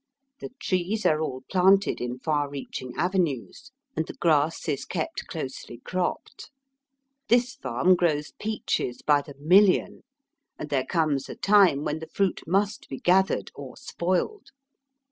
The trees are all planted in far reaching avenues, and the grass is kept closely Digitized by Google THE LABOUR QUESTION. 143 cropped. This farm grows peaches by the million, and there comes a time when the fruit must be gathered or spoiled.